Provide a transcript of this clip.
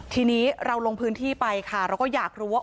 ทีนี้เราลงพื้นที่ไปค่ะเราก็อยากรู้ว่า